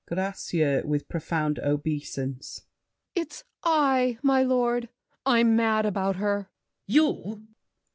GRACIEUX (with profound obeisance). It's I, my lord. I'm mad about her! LAFFEMAS. You!